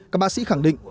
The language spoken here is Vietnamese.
các bác sĩ khẳng định